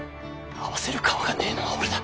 合わせる顔がねぇのは俺だ。